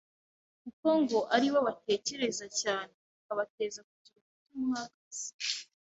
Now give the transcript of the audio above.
kuko ngo ari bo batekereza cyane bikabateza kugira umutima uhagaze.